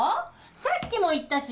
さっきも言ったし！